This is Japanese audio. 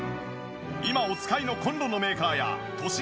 今お使いのコンロのメーカーや都市